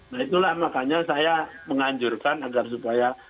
nah itulah makanya saya menganjurkan agar supaya